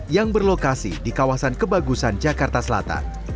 yang berlokasi di kawasan kebagusan jakarta selatan